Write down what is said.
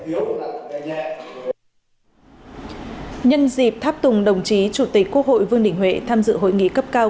nhân dịp tháp tùng đồng chí chủ tịch quốc hội vương đình huệ tham dự hội nghị cấp cao